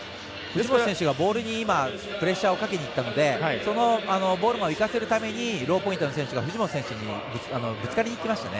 ボールにプレッシャーをかけにったのでボールをいかせるためにローポイントの選手が藤本選手にぶつかりに行っていましたね。